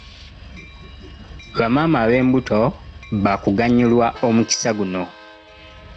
Bamaama ab'embuto baakuganyulwa omukisa guno.